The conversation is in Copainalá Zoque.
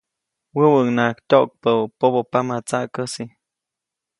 Wäwäʼunŋaʼajk tyoʼkpäʼu pobopama tsaʼkäsi.